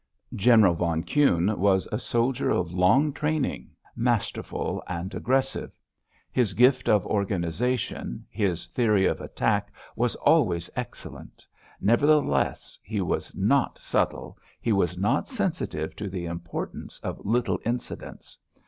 General von Kuhne was a soldier of long training, masterful and aggressive. His gift of organisation, his theory of attack was always excellent—nevertheless, he was not subtle, he was not sensitive to the importance of little incidents.